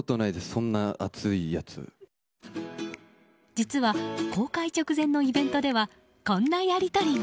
実は公開直前のイベントではこんなやり取りが。